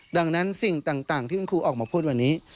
ดังนั้นสิ่งต่างที่คุณครูออกมาพูดวันนี้